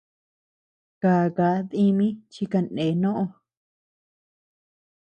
Kákaa ndimi chi kaneé noʼo.